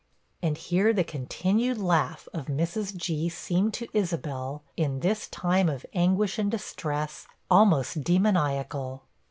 And here the continued laugh of Mrs. G. seemed to Isabel, in this time of anguish and distress, almost demoniacal.